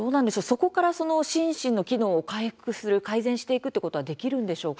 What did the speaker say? そこからその心身の機能を回復する改善していくということはできるんでしょうか。